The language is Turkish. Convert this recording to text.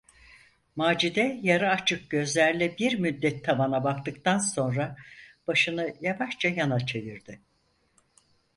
Macide yarı açık gözlerle bir müddet tavana baktıktan sonra başını yavaşça yana çevirdi.